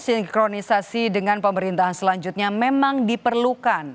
sinkronisasi dengan pemerintahan selanjutnya memang diperlukan